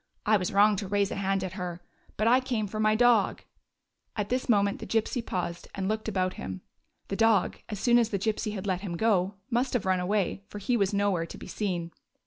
I was wrong to raise a hand to her. But I came for my dog" — at this moment the Gypsy paused and looked about him. The dog, as soon as the Gypsy had let him go, must have run away, for he was nowhere to be seen.